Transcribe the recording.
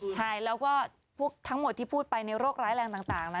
ใช่แล้วก็พวกทั้งหมดที่พูดไปในโรคร้ายแรงต่างนะ